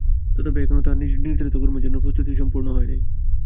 তথাপি এখনও তাঁহার নিজের নির্ধারিত কর্মের জন্য প্রস্তুতি সম্পূর্ণ হয় নাই।